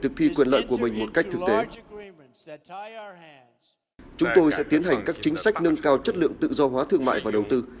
chúng tôi sẽ tiến hành các chính sách nâng cao chất lượng tự do hóa thương mại và đầu tư